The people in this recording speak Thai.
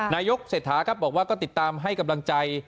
นายกเศรษฐาครับบอกว่าก็ติดตามให้กำลังใจ